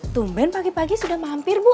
tumben pagi pagi sudah mampir bu